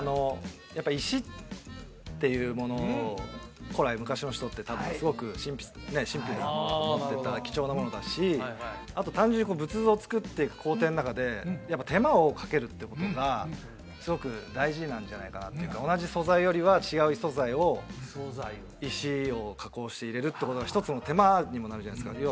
やっぱ石っていうものを古来昔の人って多分すごく神秘なものと思ってた貴重なものだしあと単純に仏像を造っていく工程の中でやっぱ手間をかけるってことがすごく大事なんじゃないかなっていうか同じ素材よりは違う異素材を石を加工して入れるってことは一つの手間にもなるじゃないですか